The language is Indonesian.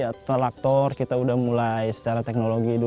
atau aktor kita sudah mulai secara teknologi